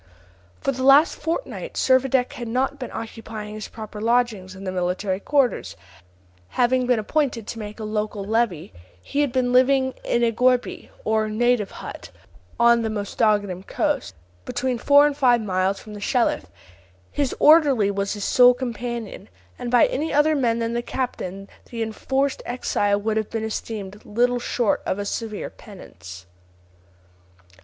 For the last fortnight Servadac had not been occupying his proper lodgings in the military quarters; having been appointed to make a local levy, he had been living in a gourbi, or native hut, on the Mostaganem coast, between four and five miles from the Shelif. His orderly was his sole companion, and by any other man than the captain the enforced exile would have been esteemed little short of a severe penance.